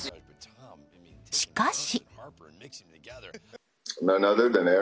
しかし。